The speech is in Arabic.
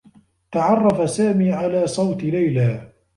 تعرّف سامي على صوت ليلى.